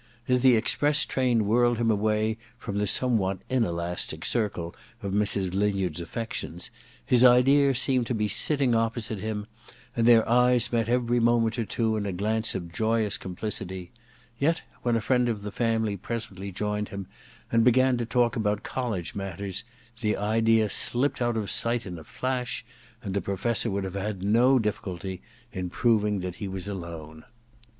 As the express train whirled him away from the somewhat inelastic circle of Mrs. Linyard*s affections, his idea seemed to be sitting opposite him, and their eyes met every moment or two in a glance of joyous complicity ; yet when a friend of the family presently joined him and began to talk about college matters, the idea slipped out of sight in a flash, and the Professor would have had no difficulty in proving that he was alone.